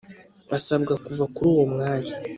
Asabwa kuva kuri uwo mwanya